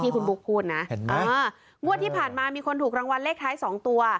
คุณบุ๊คพูดนะงวดที่ผ่านมามีคนถูกรางวัลเลขท้าย๒ตัว